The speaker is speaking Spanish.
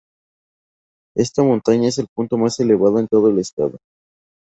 Esta montaña es el punto más elevado en todo el estado.